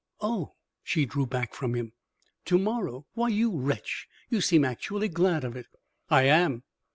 "Oh!" She drew back from him. "To morrow! Why, you wretch! You seem actually glad of it!" "I am."